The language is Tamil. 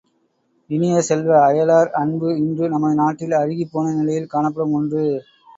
இனிய செல்வ, அயலார் அன்பு இன்று நமது நாட்டில் அருகிப்போன நிலையில் காணப்படும் ஒன்று.